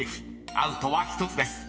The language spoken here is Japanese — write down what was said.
［アウトは１つです。